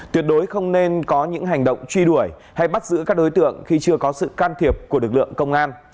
tuyệt đối không nên có những hành động truy đuổi hay bắt giữ các đối tượng khi chưa có sự can thiệp của lực lượng công an